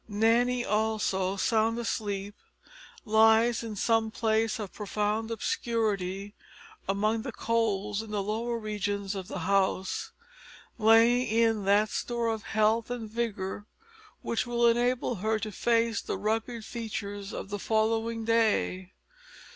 Nanny, also sound asleep, lies in some place of profound obscurity among the coals in the lower regions of the house, laying in that store of health and vigour which will enable her to face the rugged features of the following day.